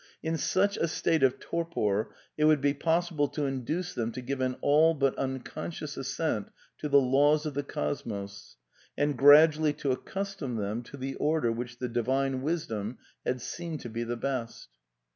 In such a state of torpor it would be pos sible to induce them to give an all but unconscio^is assent to the laws of the cosmos, and gradually to accustom them to the order which the divine wisdom had seen to be the best.